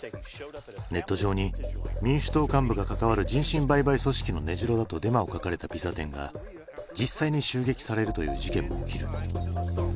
ネット上に民主党幹部が関わる人身売買組織の根城だとデマを書かれたピザ店が実際に襲撃されるという事件も起きる。